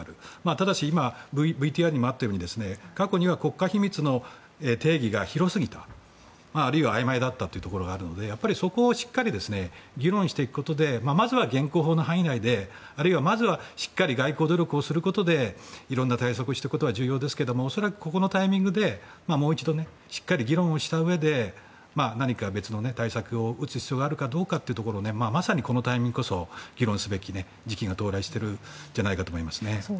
ただし今ＶＴＲにもあったように過去には国家秘密の定義が広すぎたあるいはあいまいだったところがあるのでそこをしっかりと議論していくことでまずは現行法の範囲内でまずは外交努力をしていくことでいろんな対策をしていくことは重要ですけど恐らくこのタイミングでもう一度、しっかり議論して別の対策を打つ必要があるかどうかというのもまさに、このタイミングこそ議論すべき時期が到来していると思います。